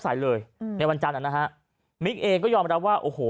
สายเลยในวันจันทร์นั้นนะฮะมิกเองก็ยอมรับว่าโอ้โห